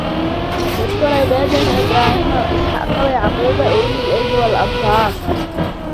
وَاذْكُرْ عِبَادَنَا إِبْرَاهِيمَ وَإِسْحَاقَ وَيَعْقُوبَ أُولِي الْأَيْدِي وَالْأَبْصَارِ